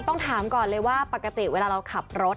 ต้องถามก่อนเลยว่าปกติเวลาเราขับรถ